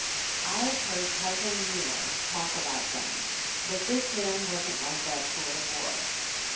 I've heard Cousin Eunice talk about them, but this man wasn't like that sort of bore.